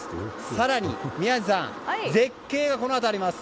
更に、宮司さん絶景がこのあとあります。